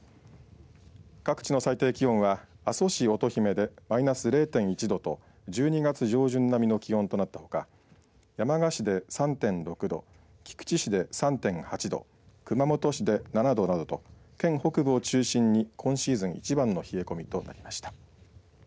各地の最低気温は阿蘇市乙姫でマイナス０．１度と１２月上旬並みの気温となったほか山鹿市で３．６度菊池市で３．８度熊本市で７度などと県北部を中心に今シーズンいちばんの冷え込みとなりました。